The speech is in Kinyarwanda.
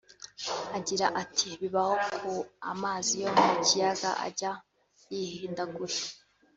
Agira ati «Bibaho ko amazi yo mu kiyaga ajya yihindagura